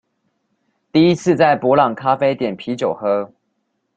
第一次在伯朗咖啡點啤酒喝